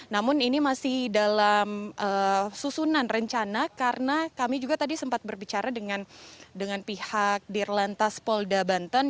namun ini masih dalam susunan rencana karena kami juga tadi sempat berbicara dengan pihak dirlantas polda banten